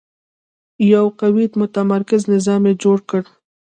یو قوي متمرکز نظام یې جوړ کړ.